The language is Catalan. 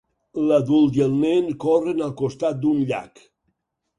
L'adult i el nen corren al costat d'un llac.